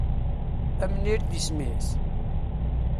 Amnir i d isem-is?